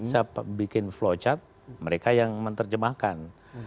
saya bikin flowchart mereka yang menerjemahkan